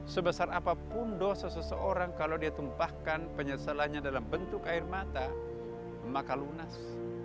sebesar apapun dosa seseorang kalau dia tumpahkan penyesalannya dalam bentuk air mata maka lunas